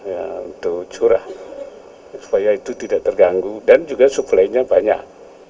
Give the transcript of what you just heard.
ya untuk curah supaya itu tidak terganggu dan juga suplainya banyak